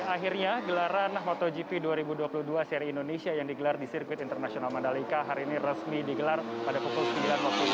akhirnya gelaran motogp dua ribu dua puluh dua seri indonesia yang digelar di sirkuit internasional mandalika hari ini resmi digelar pada pukul sembilan waktu